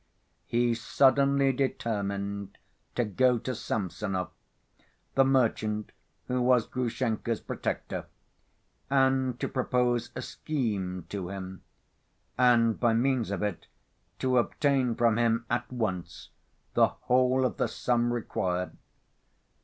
He suddenly determined to go to Samsonov, the merchant who was Grushenka's protector, and to propose a "scheme" to him, and by means of it to obtain from him at once the whole of the sum required.